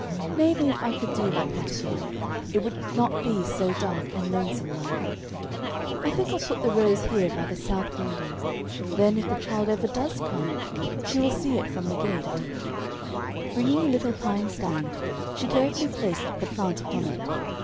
Maybe if I could do like that again, it would not be so dark and lonesome like. I think I'll put the rose here by the south window, then if the child ever does come, she will see it from the gate." [Illustration: "It never looked quite so dirty before."] Bringing a little pine stand, she carefully placed the plant upon it.